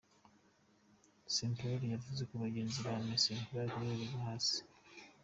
Sampaoli yavuze ko bagenzi ba Messi bari ku rwego rwo hasi.